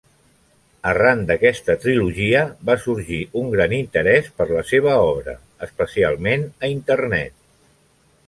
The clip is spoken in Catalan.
Arran d'aquesta trilogia va sorgir un gran interès per la seva obra, especialment a Internet.